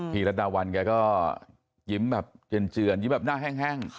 พีรดาวันแค่ก็ยิ้มเห่นเฉินยิ้มแบบหน้าแห้ง